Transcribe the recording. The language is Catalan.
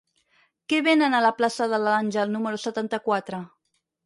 Què venen a la plaça de l'Àngel número setanta-quatre?